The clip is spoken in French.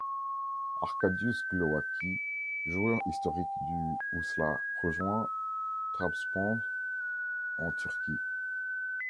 Arkadiusz Glowacki, joueur historique du Wisła, rejoint Trabzonspor en Turquie.